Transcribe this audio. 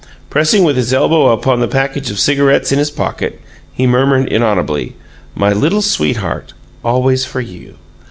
Pressing with his elbow upon the package of cigarettes in his pocket, he murmured, inaudibly, "My Little Sweetheart, always for you!"